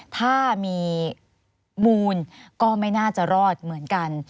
ถ้ามีมูลก็ไม่น่าจะรอดเหมือนกัน